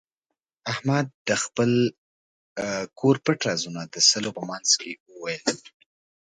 احمد د خپل کور پټ رازونه د سلو په منځ کې وویل.